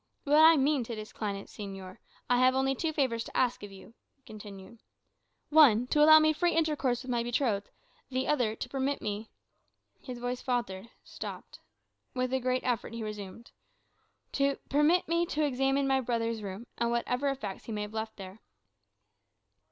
"But I mean to decline it, señor. I have only two favours to ask of you," he continued: "one, to allow me free intercourse with my betrothed; the other, to permit me" his voice faltered, stopped. With a great effort he resumed "to permit me to examine my brother's room, and whatever effects he may have left there."